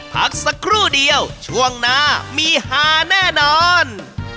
พักสักครู่เดียวช่วงหน้ามีฮาแน่นอน